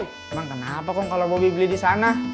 emang kenapa kong kalau bobby beli di sana